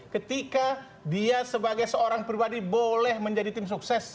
ketika dia sebagai seorang pribadi boleh menjadi tim sukses